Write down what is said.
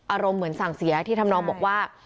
อารมณ์เหมือนสั่งเสียที่ทำนองบอกว่า